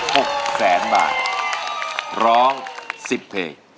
หกแสนบาทร้องสิบเพลงสิบเพลง